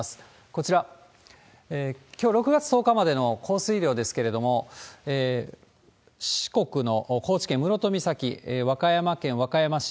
こちら、きょう６月１０日までの降水量ですけれども、四国の高知県室戸岬、和歌山県和歌山市、